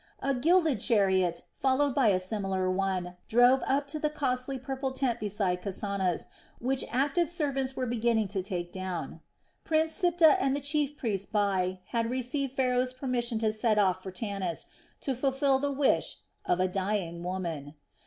A gilded chariot, followed by a similar one, drove up to the costly purple tent beside Kasana's, which active servants were beginning to take down. Prince Siptah and the chief priest Bai had received Pharaoh's permission to set off for Tanis, to fulfil the wish of a "dying woman."